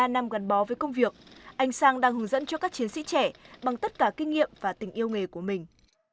ba năm gắn bó với công việc anh sang đang hướng dẫn cho các chiến sĩ trẻ bằng tất cả kinh nghiệm và tình yêu nghề của mình